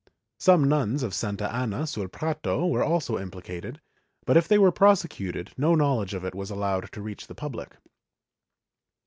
Some nuns of Santa Anna sul Prato were also implicated, but if they were prosecuted no knowledge of it was allowed to reach the public.